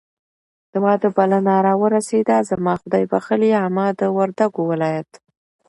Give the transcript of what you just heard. د واده بلنه راورسېده. زما خدایبښلې عمه د وردګو ولایت